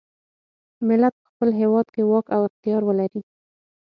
ملت په خپل هیواد کې واک او اختیار ولري.